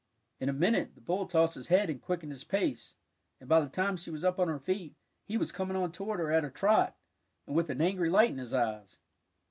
In a minute, the bull tossed his head and quickened his pace, and by the time she was up on her feet, he was coming on toward her at a trot, and with an angry light in his eyes.